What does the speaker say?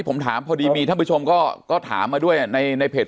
ที่ผมถามพอดีมีท่านผู้ชมก็ก็ถามมาด้วยอ่ะในในเพจ